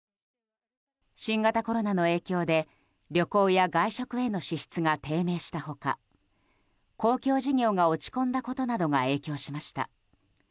新型コロナの影響で旅行や外食への支出が低迷した他公共事業が落ち込んだことなどが影響しました。